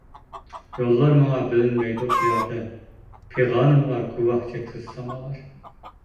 يوللار ماڭا بىلىنمەيدۇ پىيادە، پىغانىمغا گۇۋاھ چەكسىز سامالار.